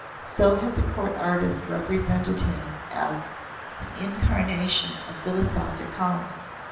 So had the Court Artist represented him as "The Incarnation of Philosophic Calm."